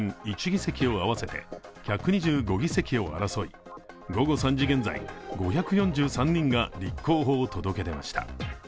１議席を合わせて１２５議席を争い、午後３時現在、５４３人が立候補を届け出ました。